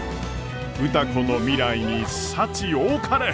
歌子の未来に幸多かれ！